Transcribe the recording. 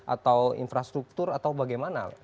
atau infrastruktur atau bagaimana